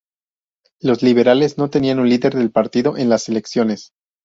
Los liberales no tenían un líder del partido en las elecciones.